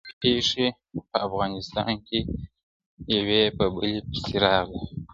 پېښې په افغانستان کې یوې په بلې پسې راغلې.